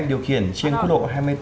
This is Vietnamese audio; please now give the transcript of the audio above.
điều khiển trên quốc độ hai mươi bốn